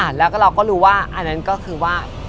แล้วก็เราก็รู้ว่าอันนั้นก็คือว่า